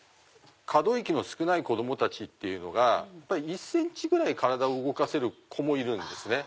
可動域の少ない子供たちっていうのが１ｃｍぐらい体を動かせる子もいるんですね。